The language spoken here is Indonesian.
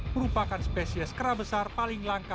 merupakan spesies kera besar paling langka